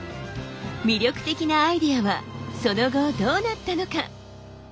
魅力的なアイデアはその後どうなったのか？